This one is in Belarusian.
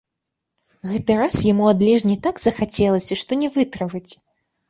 Гэты раз яму ад лежні так захацелася, што не вытрываць.